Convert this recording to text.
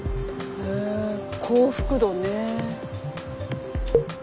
へえ幸福度ね。